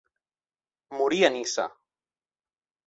Morí a Niça.